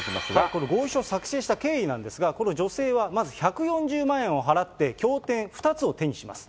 この合意書、作成した経緯なんですが、この女性は、まず１４０万円を払って、教典２つを手にします。